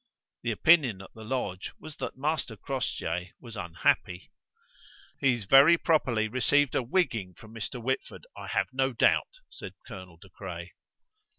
The opinion at the lodge was that Master Crossjay was unhappy. "He very properly received a wigging from Mr. Whitford, I have no doubt," said Colonel Do Craye.